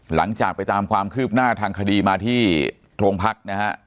หลังจากไปตามความคืบหน้าทางคดีมาที่โรงพักนะฮะ